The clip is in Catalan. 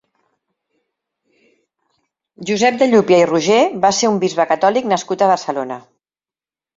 Josep de Llupià i Roger va ser un bisbe catòlic nascut a Barcelona.